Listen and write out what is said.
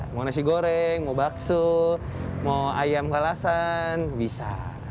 mau nasi goreng mau bakso mau ayam kalasan bisa